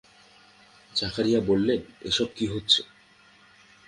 জাকারিয়া বললেন, এসব কি হচ্ছে?